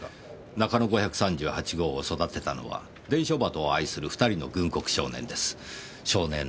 中野５３８号を育てたのは伝書鳩を愛する２人の軍国少年です。